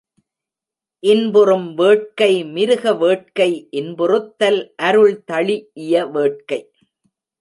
இன்புறும் வேட்கை மிருக வேட்கை இன்புறுத்தல் அருள் தழிஇய வேட்கை.